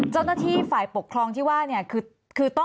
เจ้าหน้าที่ฝ่ายปกครองที่ว่าเนี่ยคือต้อง